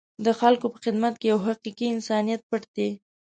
د خلکو په خدمت کې یو حقیقي انسانیت پټ دی.